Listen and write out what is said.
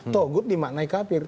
togut dimaknai kafir